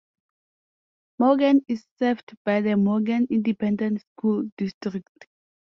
Morgan is served by the Morgan Independent School District.